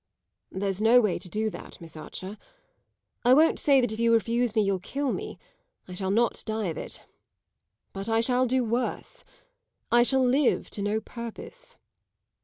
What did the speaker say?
"There's no way to do that, Miss Archer. I won't say that if you refuse me you'll kill me; I shall not die of it. But I shall do worse; I shall live to no purpose."